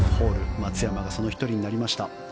松山がその１人になりました。